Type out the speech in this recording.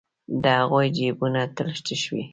د هغوی جېبونه تل تش وي